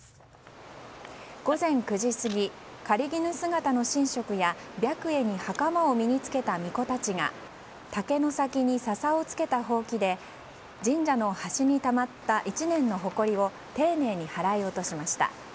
午前９時過ぎ、狩衣姿の神職や白衣に袴を身に付けた巫女たちが竹の先に笹を付けたほうきで神社の橋にたまった１年のほこりを丁寧に払い落としました。